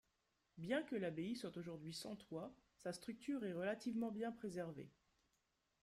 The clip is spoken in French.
Bien que l'abbaye soit aujourd’hui sans toit, sa structure est relativement bien préservée.